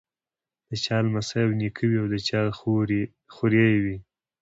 د چا لمسی او نیکه وي او د چا خوريی وي.